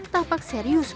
tapak serius sekali